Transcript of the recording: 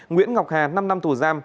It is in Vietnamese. nguyễn ngọc hà năm năm tù giam